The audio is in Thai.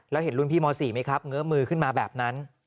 แล้วเห็นรุ่นพี่ม๔ไหมครับเงื้อมือขึ้นมาแบบนั้น